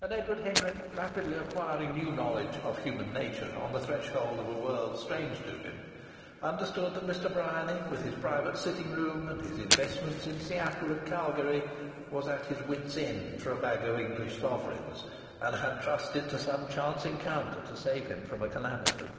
And Edward Henry, rapidly acquiring new knowledge of human nature on the threshold of a world strange to him, understood that Mr. Bryany, with his private sitting room and his investments in Seattle and Calgary, was at his wits' end for a bag of English sovereigns, and had trusted to some chance encounter to save him from a calamity.